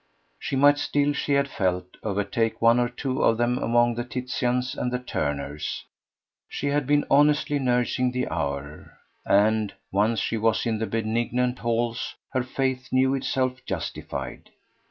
She might still, she had felt, overtake one or two of them among the Titians and the Turners; she had been honestly nursing the hour, and, once she was in the benignant halls, her faith knew itself justified.